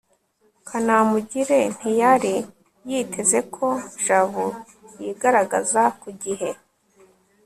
kanamugire ntiyari yiteze ko jabo yigaragaza ku gihe